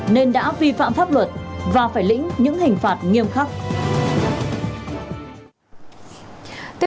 nên đã vi phạm pháp luật và phải lĩnh những hình phạt nghiêm khắc